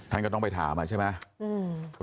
ท่านก็ต้องไปถามใช่ไหม